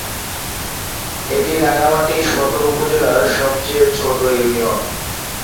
এটি রাঙ্গামাটি সদর উপজেলার সবচেয়ে ছোট ইউনিয়ন।